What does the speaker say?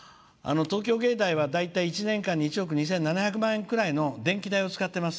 東京藝大は１億２７００万円くらいの電気代を使っています。